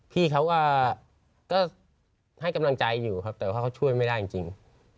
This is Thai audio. พี่เขาก็ให้กำลังใจอยู่ครับแต่ว่าเขาช่วยไม่ได้จริง